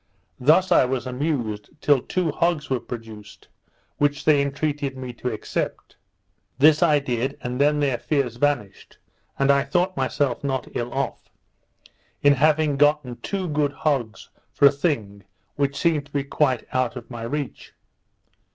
Thus I was amused, till two hogs were produced, which they entreated me to accept. This I did, and then their fears vanished; and I thought myself not ill off, in having gotten two good hogs for a thing which seemed to be quite out of my reach.